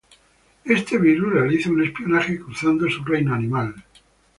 Este virus realiza un espionaje cruzando su reino animal.